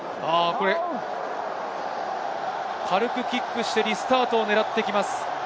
軽くキックしてリスタートを狙ってきます。